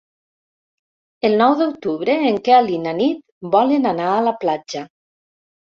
El nou d'octubre en Quel i na Nit volen anar a la platja.